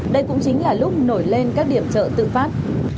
đây cũng chính là lúc nổi lên các điểm chợ tự phát